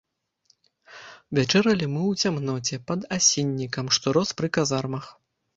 Вячэралі мы ў цямноце, пад асіннікам, што рос пры казармах.